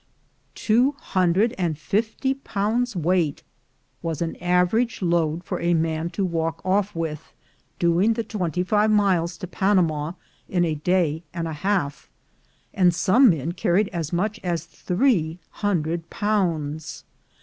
Two hun dred and fifty pounds v/eight was an average load for a man to walk off with, doing the twenty five miles to Panama in a day and a half, and some men carried as much as three hundred pounds.